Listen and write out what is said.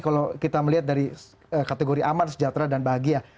kalau kita melihat dari kategori aman sejahtera dan bahagia